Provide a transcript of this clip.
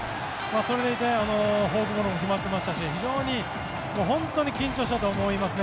それでいてフォークボールも決まってましたし非常に本当に緊張したと思いますね。